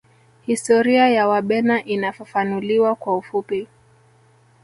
Historia ya Wabena inafafanuliwa kwa ufupi